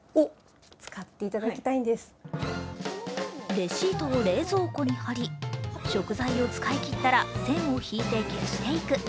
レシートを冷蔵庫に貼り、食材を使い切ったら線を引いて消していく。